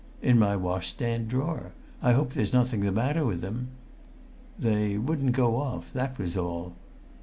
"In my washstand drawer. I hope there was nothing the matter with them?" "They wouldn't go off. That was all."